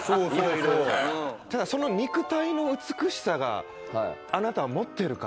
ただその肉体の美しさがあなたは持ってるから。